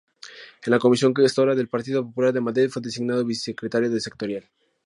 En la Comisión Gestora del Partido Popular de Madrid fue designado vicesecretario de Sectorial.